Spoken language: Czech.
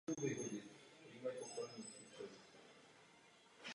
Mimo jeho rozsáhlou kariéru jako profesor ekonomie je také atlet.